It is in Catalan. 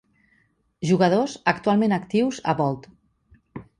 Jugadors actualment actius a Bold.